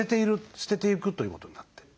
捨てていくということになってる。